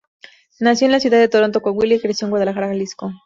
Nació en la ciudad de Torreón, Coahuila y creció en Guadalajara, Jalisco.